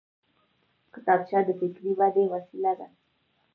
کتابچه د فکري ودې وسیله ده